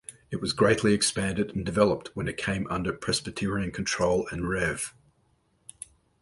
It was greatly expanded and developed when it came under Presbyterian control and Rev.